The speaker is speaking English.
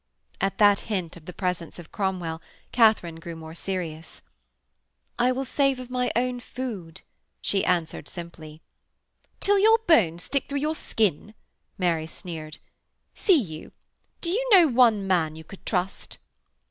At that hint of the presence of Cromwell, Katharine grew more serious. 'I will save of my own food,' she answered simply. 'Till your bones stick through your skin!' Mary sneered. 'See you, do you know one man you could trust?'